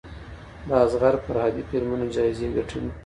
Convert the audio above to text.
د اصغر فرهادي فلمونه جایزې ګټلي.